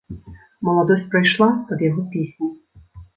Маладосць прайшла пад яго песні.